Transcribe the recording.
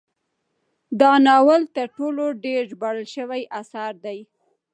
دا ناول تر ټولو ډیر ژباړل شوی اثر دی.